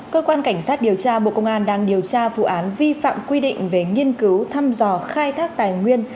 cơ quan cảnh sát điều tra bộ công an đang điều tra vụ án vi phạm quy định về nghiên cứu thăm dò khai thác tài nguyên